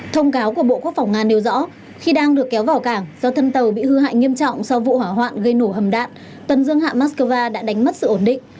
thông cáo của bộ quốc phòng nga nêu rõ khi đang được kéo vào cảng do thân tàu bị hư hại nghiêm trọng sau vụ hỏa hoạn gây nổ hầm đạn tuần dương hạ moscow đã đánh mất sự ổn định